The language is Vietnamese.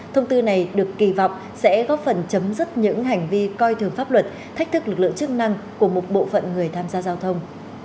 thông tư này được kỳ vọng sẽ góp phần chấm dứt những hành vi coi thường pháp luật thách thức lực lượng chức năng của một bộ phận người tham gia giao thông